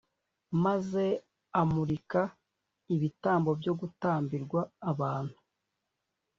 maze amurika ibitambo byo gutambirwa abantu